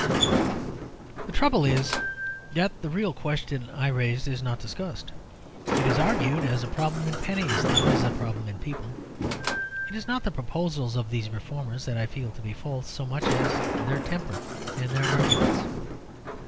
The trouble is that the real question I raised is not discussed. It is argued as a problem in pennies, not as a problem in people. It is not the proposals of these reformers that I feel to be false so much as their temper and their arguments.